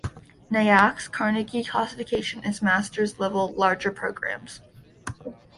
Nyack's Carnegie Classification is Master's Level - Larger Programs.